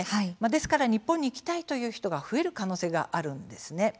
ですから日本に行きたいという人が増える可能性があるんです。